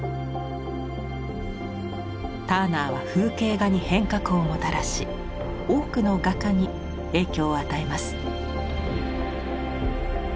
ターナーは風景画に変革をもたらし多くの画家に影響を与えます。